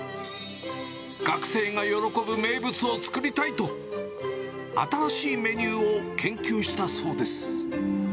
学生が喜ぶ名物を作りたいと、新しいメニューを研究したそうです。